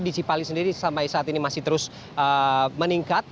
di cipali sendiri sampai saat ini masih terus meningkat